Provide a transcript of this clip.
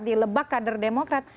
di lebak kader demokrat